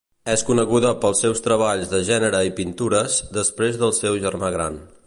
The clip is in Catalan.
És coneguda pels seus treballs de gènere i pintures després del seu germà gran.